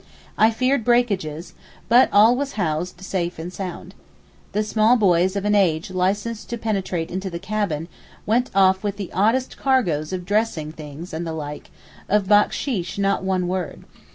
I feared breakages, but all was housed safe and sound. The small boys of an age licensed to penetrate into the cabin, went off with the oddest cargoes of dressing things and the like—of backsheesh not one word.